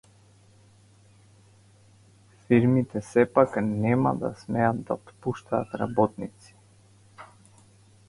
Фирмите сепак нема да смеат да отпуштаат работници